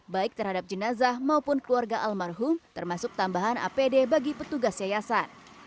baik terhadap jenazah maupun keluarga almarhum termasuk tambahan apd bagi petugas yayasan